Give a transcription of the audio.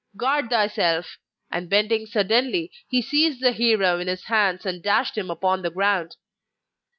Guard thyself!' and bending suddenly he seized the hero in his hands and dashed him upon the ground.